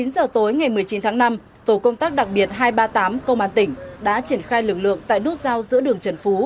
chín giờ tối ngày một mươi chín tháng năm tổ công tác đặc biệt hai trăm ba mươi tám công an tỉnh đã triển khai lực lượng tại nút giao giữa đường trần phú